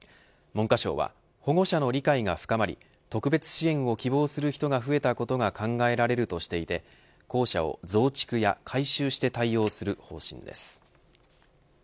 文科省は保護者の理解が深まり特別支援を希望する人が増えたことが考えられるとしていて校舎を増築や改修して対応する方針です。